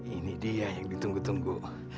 ini dia yang ditunggu tunggu